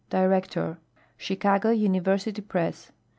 Director. Cldcago, University Press.